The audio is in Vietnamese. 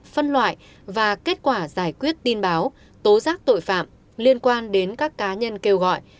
phân loại và kết quả giải quyết tin báo tố giác tội phạm liên quan đến các cá nhân kêu gọi